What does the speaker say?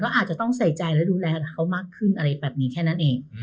อาจจะต้องใส่ใจและดูแลเขามากขึ้นอะไรแบบนี้แค่นั้นเอง